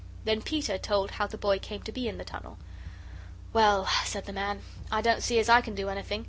Then Peter told how the boy came to be in the tunnel. "Well," said the man, "I don't see as I can do anything.